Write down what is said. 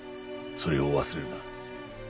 それを忘れるな。